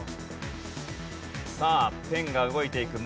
さあペンが動いていく。